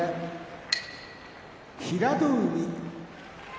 平戸海